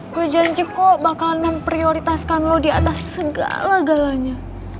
gue janji kok bakalan memprioritaskan lo diatas segala galanya